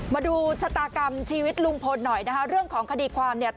มาดูชะตากรรมชีวิตลุงพลหน่อยนะคะเรื่องของคดีความเนี่ย